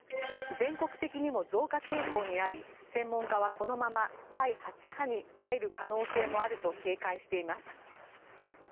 全国的にも増加傾向にあり専門家は、このまま第８波に入る可能性もあると警戒しています。